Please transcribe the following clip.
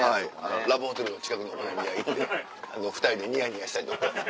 ラブホテルの近くのお好み屋行って２人でニヤニヤしたいと思います。